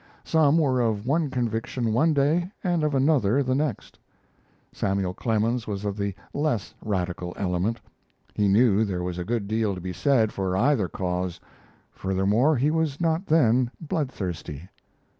Some were of one conviction one day and of another the next. Samuel Clemens was of the less radical element. He knew there was a good deal to be said for either cause; furthermore, he was not then bloodthirsty.